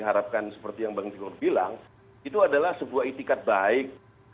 kalau voir nasional kita nggak mungkin cerita truk klien yang keluar kan ini dia tabung angkatkan perharikan